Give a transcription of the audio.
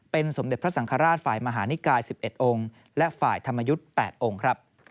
เป็นสมเด็จพระสังฆราชฝ่ายมหานิกาย๑๑องค์และฝ่ายธรรมยุทธ์๘องค์ครับ